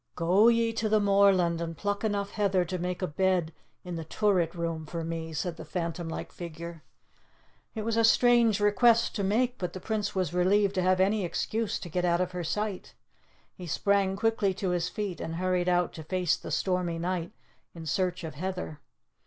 "Go ye to the moorland, and pluck enough heather to make a bed in the turret room for me," said the phantom like figure. It was a strange request to make, but the Prince was relieved to have any excuse to get out of her sight. He sprang quickly to his feet, and hurried out to face the stormy night in search of heather.